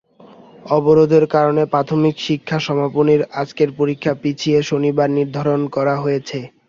অবরোধের কারণে প্রাথমিক শিক্ষা সমাপনীর আজকের পরীক্ষা পিছিয়ে শনিবার নির্ধারণ করা হয়েছে।